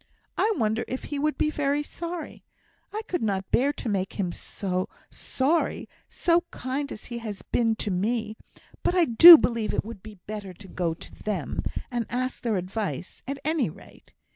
I wonder if he would be very sorry! I could not bear to make him sorry, so kind as he has been to me; but I do believe it would be better to go to them, and ask their advice, at any rate.